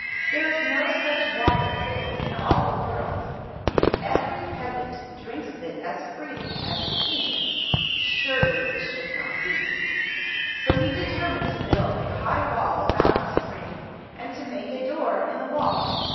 There is no such water as this in all the world, yet every peasant drinks of it as freely as the King. Surely this should not be !" So he determined to build a high wall about the spring, and to make a door in the wall.